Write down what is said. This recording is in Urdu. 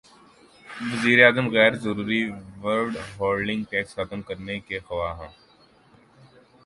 وزیراعظم غیر ضروری ود ہولڈنگ ٹیکس ختم کرنے کے خواہاں